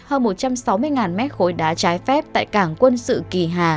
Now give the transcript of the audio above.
hơn một trăm sáu mươi mét khối đá trái phép tại cảng quân sự kỳ hà